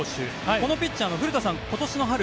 このピッチャー古田さん、今年の春